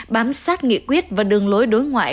bám sát nghị quyết và đường lối đối ngoại